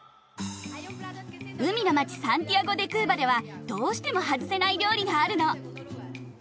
海の街サンティアゴ・デ・クーバではどうしても外せない料理があるの。